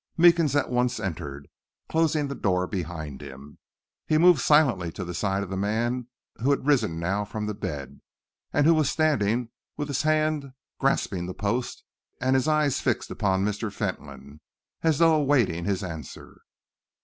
Meekins at once entered, closing the door behind him. He moved silently to the side of the man who had risen now from the bed, and who was standing with his hand grasping the post and his eyes fixed upon Mr. Fentolin, as though awaiting his answer.